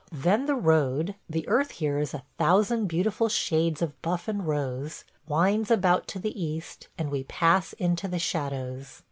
Then the road – the earth here is a thousand beautiful shades of buff and rose – winds about to the east, and we pass into the shadows.